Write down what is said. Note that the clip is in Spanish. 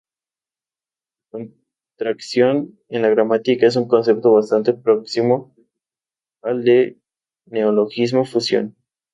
La contracción en gramática es un concepto bastante próximo al de neologismo-fusión.